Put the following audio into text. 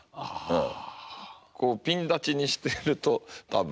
うん。